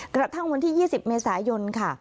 กระทั่งวันที่๒๐เมษายนค่ะ